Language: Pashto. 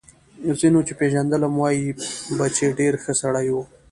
ځینو چې پېژندلم وايي به چې ډېر ښه سړی و